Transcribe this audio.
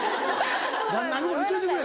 旦那にも言うといてくれ。